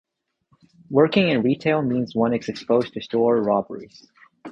Working in retail means one is exposed to store robberies.